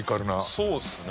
そうですね。